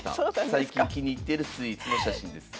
最近気に入ってるスイーツの写真です。